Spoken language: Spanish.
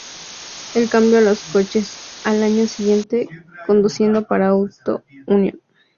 Él cambió a los coches al año siguiente, conduciendo para Auto Union.